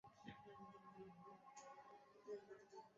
তবে প্রয়োজনে তারা ওখান থেকে সেতুটিকে সরিয়ে নিয়ে আশপাশে কোথাও করবেন।